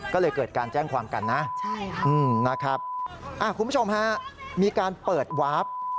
ก็เลยเกิดการแจ้งความกันนะนะครับคุณผู้ชมฮะมีการเปิดวาร์ฟ